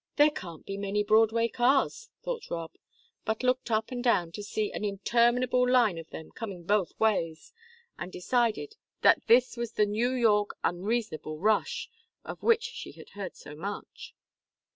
"There can't be many Broadway cars," thought Rob, but looked up and down to see an interminable line of them coming both ways, and decided that this was the New York unreasonable rush, of which she had heard so much.